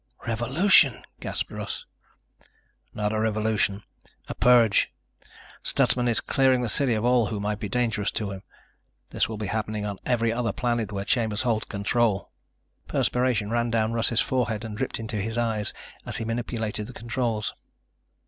"Revolution," gasped Russ. "Not a revolution. A purge. Stutsman is clearing the city of all who might be dangerous to him. This will be happening on every other planet where Chambers holds control." Perspiration ran down Russ's forehead and dripped into his eyes as he manipulated the controls.